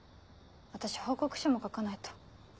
私報告書も書かないと。